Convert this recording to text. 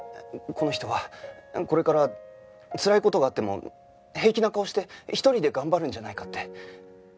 この人はこれからつらい事があっても平気な顔して独りで頑張るんじゃないかって。